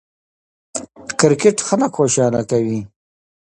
کرکټ خلک خوشحاله کوي.